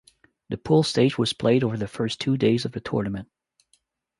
The pool stage was played over the first two days of the tournament.